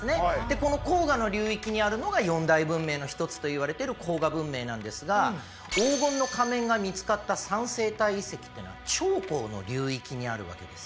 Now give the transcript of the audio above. この黄河の流域にあるのが四大文明の一つといわれてる黄河文明なんですが黄金の仮面が見つかった三星堆遺跡っていうのは長江の流域にあるわけです。